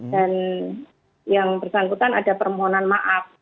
dan yang bersangkutan ada permohonan maaf